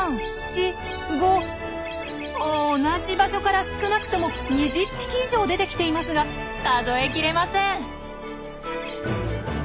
同じ場所から少なくとも２０匹以上出てきていますが数えきれません！